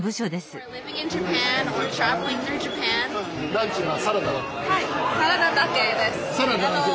ランチはサラダだけ？